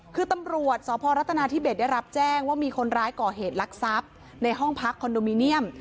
คือตำรวจสพรัฐนาธิเบสได้รับแจ้งว่ามีคนร้ายก่อเหตุลักษัพในห้องพักคอนโดมิเนียม